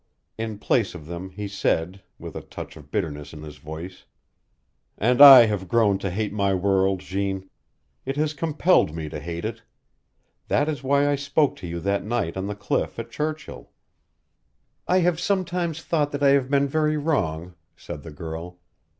In place of them he said, with a touch of bitterness in his voice: "And I have grown to hate my world, Jeanne. It has compelled me to hate it. That is why I spoke to you that night on the cliff at Churchill." "I have sometimes thought that I have been very wrong," said the girl.